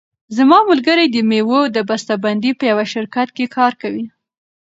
زما ملګری د مېوو د بسته بندۍ په یوه شرکت کې کار کوي.